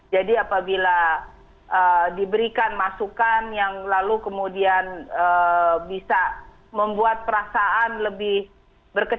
jadi apabila diberikan masukan yang lalu kemudian bisa membuat perasaan lebih berkecil